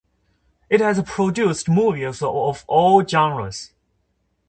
It has produced movies of all genres.